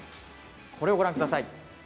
こちらをご覧ください。